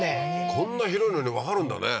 こんな広いのにわかるんだね